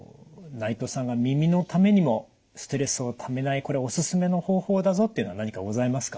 内藤さんが耳のためにもストレスをためないこれおすすめの方法だぞっていうのは何かございますか。